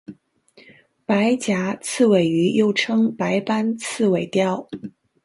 白颊刺尾鱼又称白斑刺尾鲷。